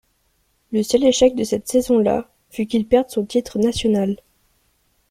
Le seul échec de cette saison-là fut qu'il perde son titre national.